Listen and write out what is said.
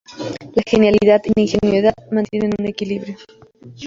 La genialidad y la ingenuidad mantienen un equilibrio.